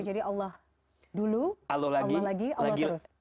jadi allah dulu allah lagi allah terus